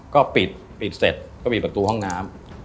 ก็ปิดปิดเสร็จก็ปิดประตูห้องน้ำ